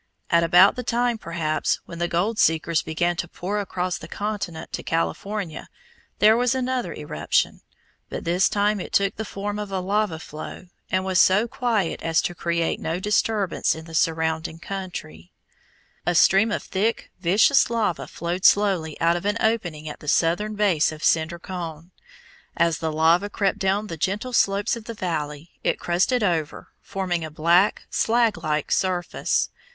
At about the time, perhaps, when the gold seekers began to pour across the continent to California, there was another eruption; but this time it took the form of a lava flow and was so quiet as to create no disturbance in the surrounding country. [Illustration: FIG. 28. CINDER CONE The trees were killed by the last eruption of volcanic ashes] A stream of thick, viscous lava flowed slowly out of an opening at the southern base of Cinder Cone. As the lava crept down the gentle slopes of the valley, it crusted over, forming a black, slag like surface.